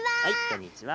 こんにちは。